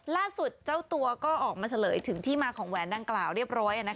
ล่าสุดเจ้าตัวก็ออกมาเฉลยถึงที่มาของแหวนดังกล่าวเรียบร้อย